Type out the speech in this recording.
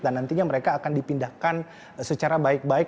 dan nantinya mereka akan dipindahkan secara baik baik